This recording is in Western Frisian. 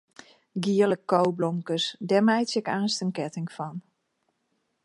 Giele koweblomkes, dêr meitsje ik aanst in ketting fan.